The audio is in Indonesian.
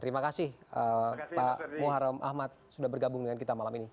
terima kasih pak muharrem ahmad sudah bergabung dengan kita malam ini